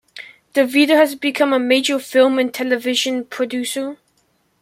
DeVito has become a major film and television producer.